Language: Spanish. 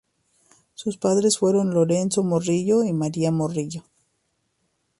Sus padres fueron Lorenzo Morillo y María Morillo.